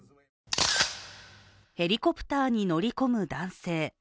ヘリコプターに乗り込む男性。